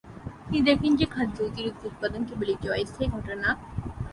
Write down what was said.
তিনি দেখেন যে খাদ্যের অতিরিক্ত উৎপাদন কেবল একটি অস্থায়ী ঘটনা।